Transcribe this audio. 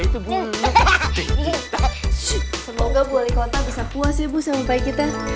semoga bu wali kota bisa puas ya bu sama baik kita